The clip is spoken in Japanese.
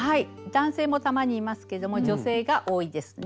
男性もたまにいますけども女性が多いですね。